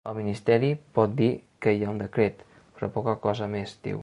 “El ministeri pot dir que hi ha un decret, però poca cosa més”, diu.